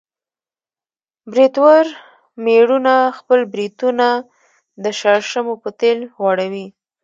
برېتور مېړونه خپل برېتونه د شړشمو په تېل غوړوي.